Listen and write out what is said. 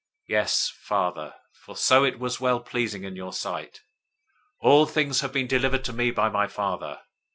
011:026 Yes, Father, for so it was well pleasing in your sight. 011:027 All things have been delivered to me by my Father.